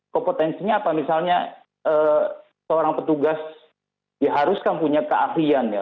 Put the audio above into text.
kompetensinya apa misalnya seorang petugas ya harus kan punya keahlian ya